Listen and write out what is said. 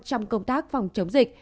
trong công tác phòng chống dịch